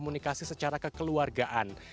komunikasi secara kekeluargaan